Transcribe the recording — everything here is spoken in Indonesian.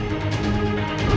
saya tidak tahu